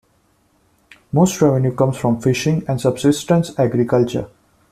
Most revenue comes from fishing and subsistence agriculture.